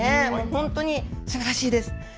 本当にすばらしいです。